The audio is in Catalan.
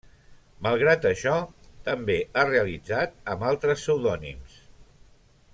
Malgrat això, també ha realitzat amb altres pseudònims.